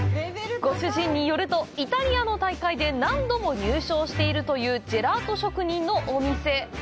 ご主人によると、イタリアの大会で何度も入賞しているというジェラート職人のお店。